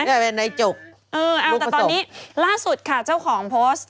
ที่กันเป็อในจุกลูกประสบเออเอ้าตอนนี้ลาที่สุดค่ะเจ้าของโปสต์